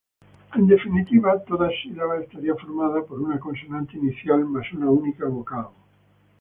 En definitiva toda sílaba estaría formada por una consonante inicial más una única vocal.